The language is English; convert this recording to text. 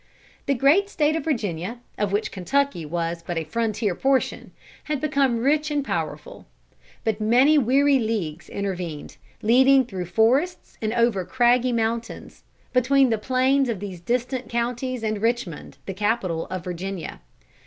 The great State of Virginia, of which Kentucky was but a frontier portion, had become rich and powerful. But many weary leagues intervened, leading through forests and over craggy mountains, between the plains of these distant counties and Richmond, the capital of Virginia.